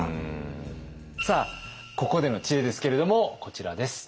さあここでの知恵ですけれどもこちらです。